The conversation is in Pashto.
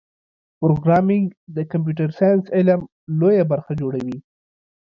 پروګرامېنګ د کمپیوټر ساینس علم لویه برخه جوړوي.